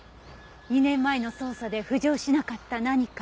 ２年前の捜査で浮上しなかった何か。